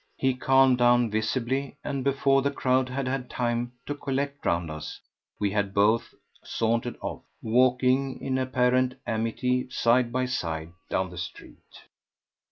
He calmed down visibly, and before the crowd had had time to collect round us we had both sauntered off, walking in apparent amity side by side down the street.